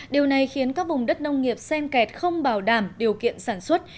điều này khiến các vùng đất nông nghiệp sen kẹt không bảo đảm điều kiện sản xuất